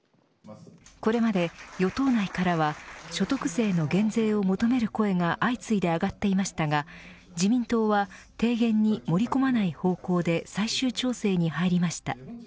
これまで与党内からは所得税の減税を求める声が相次いで上がっていましたが自民党は提言に盛り込まない方向で最終調整に入りました。